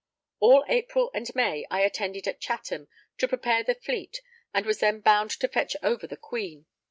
All April and May I attended at Chatham, to prepare the Fleet that was then bound to fetch over the Queen.